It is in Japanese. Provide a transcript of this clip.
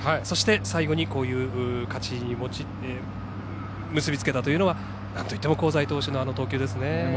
そして最後に勝ちに結びつけたというのはなんといっても香西投手の投球ですね。